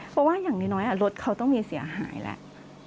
เพราะว่าอย่างน้อยรถเขาต้องมีเสียหายแล้ว